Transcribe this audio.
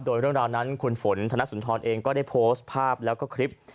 โดยเรื่องราวนั้นคุณฝนธนสุนทรเองก็ได้โพสต์ภาพแล้วก็คลิป